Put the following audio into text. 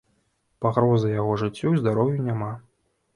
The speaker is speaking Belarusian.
Пагрозы яго жыццю і здароўю няма.